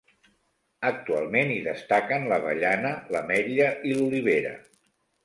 Actualment hi destaquen l'avellana, l'ametlla i l'olivera.